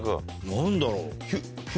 何だろう？